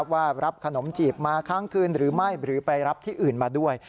ว่ารับขนมจีบมาครั้งคืนหรือไม่หรือไปรับที่อื่นมาด้วย